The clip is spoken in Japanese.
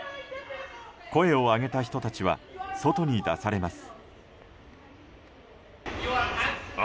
声を上げた人たちは外に出されます。